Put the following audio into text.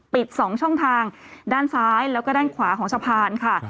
ปิด๒ช่องทางด้านซ้ายแล้วก็ด้านขวาของสะพานค่ะ